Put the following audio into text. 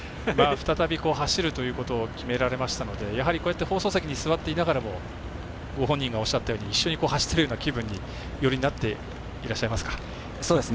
再び走るということを決められましたので放送席に座ってながらもご本人がおっしゃったように一緒に走っているような気になりますか？